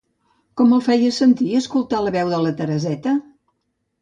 Com el feia sentir escoltar la veu de la Tereseta?